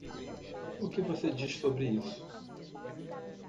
O que você diz sobre isso?